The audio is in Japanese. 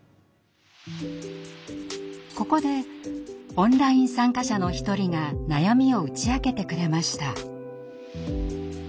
ここでオンライン参加者の一人が悩みを打ち明けてくれました。